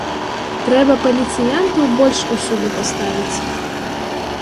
Трэба паліцыянтаў больш усюды паставіць!